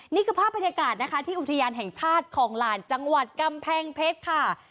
นี่คือภาพบรรยากาศนะคะที่อุทยานแห่งชาติคลองลานจังหวัดกำแพงเพชรค่ะ